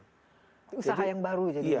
usaha yang baru jadinya ya